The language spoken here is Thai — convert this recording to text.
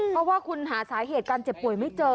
เพราะว่าคุณหาสาเหตุการเจ็บป่วยไม่เจอ